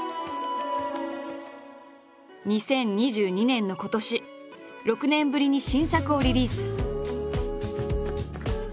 ２０２２年の今年６年ぶりに新作をリリース。